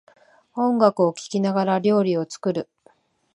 音楽を聴きながら料理を作る